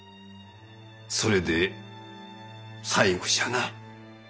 それで最後じゃな。